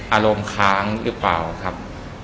อารมณ์ค้างหรือเปล่าครับ